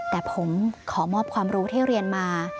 แต่ผมขอมอบความรู้ที่เรียนมา